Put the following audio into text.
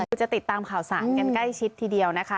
คือจะติดตามข่าวสารกันใกล้ชิดทีเดียวนะคะ